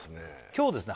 今日ですね